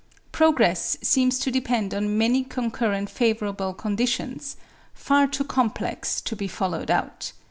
Progress seems to depend on many concurrent favourable conditions, far too complex to be followed out.